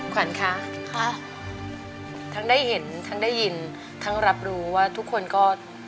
ขวัญคะทั้งได้เห็นทั้งได้ยินทั้งรับรู้ว่าทุกคนก็